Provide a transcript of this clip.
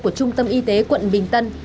của trung tâm y tế quận bình tân